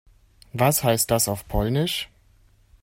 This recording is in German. Was heißt das auf Polnisch?